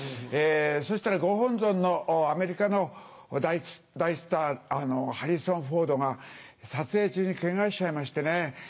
そしたらご本尊のアメリカの大スターハリソン・フォードが撮影中にケガしちゃいましてね。